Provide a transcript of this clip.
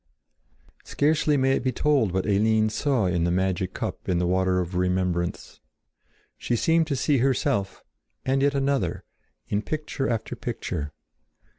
Scarcely may it be told what Eline saw in the magic cup in the water of remembrance. She seemed to see herself—and yet another—in picture after picture.